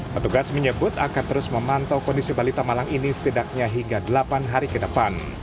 petugas menyebut akan terus memantau kondisi balita malang ini setidaknya hingga delapan hari ke depan